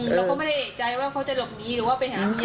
เราก็ไม่ได้เอกใจว่าเขาจะหลบหนีหรือว่าไปหาเมีย